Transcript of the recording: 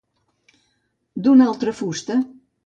D'una altra fusta.